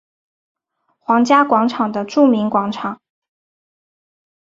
皇家广场的著名广场。